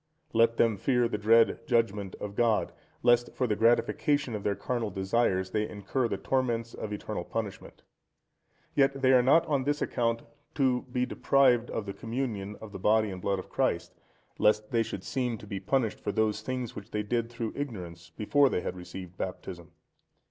Let them fear the dread judgement of God, lest, for the gratification of their carnal desires, they incur the torments of eternal punishment. Yet they are not on this account to be deprived of the Communion of the Body and Blood of Christ, lest they should seem to be punished for those things which they did through ignorance before they had received Baptism.